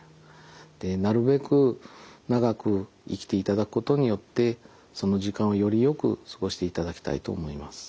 でなるべく長く生きていただくことによってその時間をよりよく過ごしていただきたいと思います。